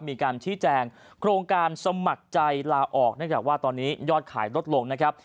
มีการชี้แจงโครงการสมัครใจลาออกเนื่องจากว่าตอนนี้ยอดขายลดลงนะครับ